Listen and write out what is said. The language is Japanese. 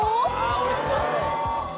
おいしそう。